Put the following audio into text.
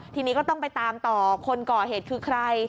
ทีนี้ก็ต้องไปตามต่อคนก่อเหตุคือใคร